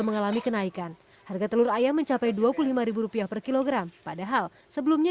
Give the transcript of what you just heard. mengalami kenaikan harga telur ayam mencapai dua puluh lima rupiah per kilogram padahal sebelumnya